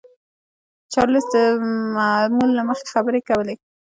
چارليس د معمول له مخې خبرې کولې.